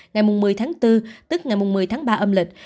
ngày mùng một mươi tháng bốn tức ngày mùng một mươi tháng ba âm lịch